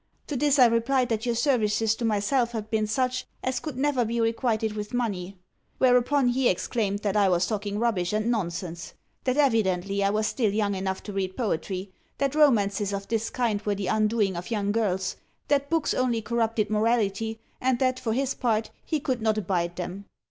To this I replied that your services to myself had been such as could never be requited with money; whereupon, he exclaimed that I was talking rubbish and nonsense; that evidently I was still young enough to read poetry; that romances of this kind were the undoing of young girls, that books only corrupted morality, and that, for his part, he could not abide them.